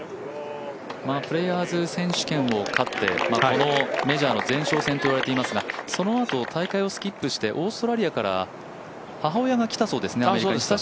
プレーヤーズ選手権を勝ってメジャーの前哨戦といわれていますがそのあと大会をスキップしてオーストラリアから母親が来たそうです、アメリカに。